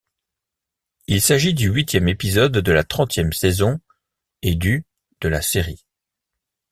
Il s'agit du huitième épisode de la trentième saison et du de la série.